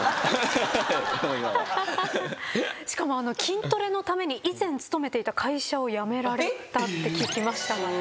しかも筋トレのために以前勤めていた会社を辞められたって聞きましたが。